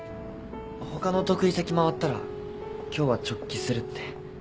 他のお得意先回ったら今日は直帰するって。